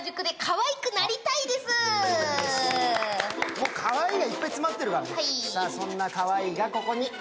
もうかわいいがいっぱい詰まってるからね。